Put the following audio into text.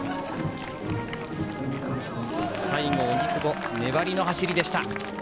最後、荻久保は粘りの走りでした。